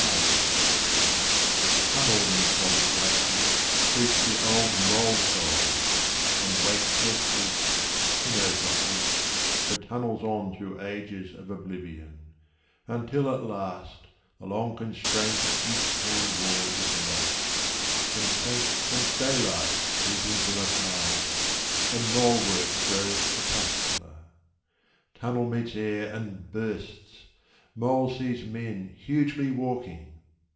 MOLE. Tunnelled in solid blackness creeps The old mole soul, and wakes or sleeps, He knows not which, but tunnels on Through ages of oblivion; Until at last the long constraint Of each hand wall is lost, and faint Comes daylight creeping from afar, And mole work grows crepuscular. Tunnel meets air and bursts; mole sees Men hugely walking